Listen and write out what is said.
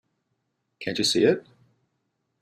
Can't you see it?